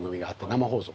生放送。